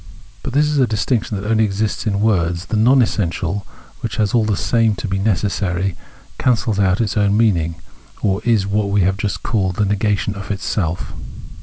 But this is a distinction that only exists in words ; the TCOM essential, which has all the same to be necessary, cancels its own meaning, or is what we have just called the negation of itself.